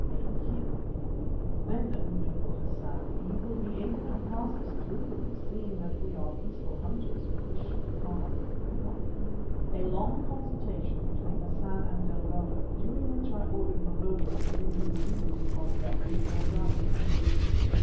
A.Q.: "Then, noble Hassan, you will be able to pass us through them, seeing that we are peaceful hunters who wish to harm no one." (A long consultation between Hassan and Delgado, during which I ordered Mavovo to bring his Zulus on deck with their guns.)